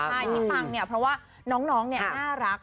ใช่ที่ปังเนี่ยเพราะว่าน้องเนี่ยน่ารัก